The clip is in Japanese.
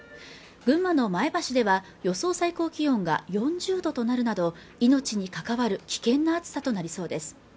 群馬の前橋では予想最高気温が４０度となるなど命に関わる危険な暑さとなりそうです